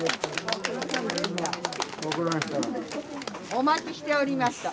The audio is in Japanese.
お待ちしておりました。